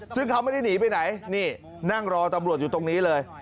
ซึ่งเขาไม่ได้หนีไปไหนนี่นั่งรอตำรวจอยู่ตรงนี้เลย